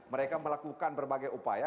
mereka melakukan berbagai upaya